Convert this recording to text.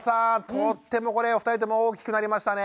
とってもこれお二人とも大きくなりましたね。